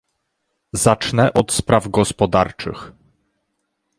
Zacznę od spraw gospodarczych